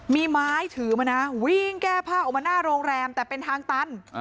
มีไม้ถือมานะวิ่งแก้ผ้าออกมาหน้าโรงแรมแต่เป็นทางตัน